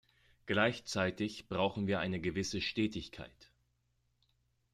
Gleichzeitig brauchen wir eine gewisse Stetigkeit.